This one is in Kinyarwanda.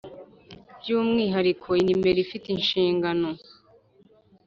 By umwihariko inmr ifite inshingano